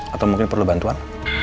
atau mungkin perlu bantuan